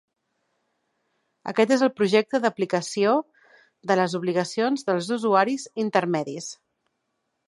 Aquest és el projecte d'aplicació de les obligacions dels usuaris intermedis.